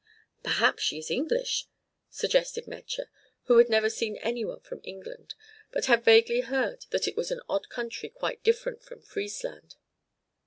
"Perhaps she is English," suggested Metje, who had never seen any one from England, but had vaguely heard that it was an odd country quite different from Friesland.